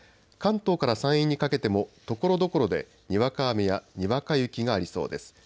関東から山陰にかけてもところどころでにわか雨やにわか雪がありそうです。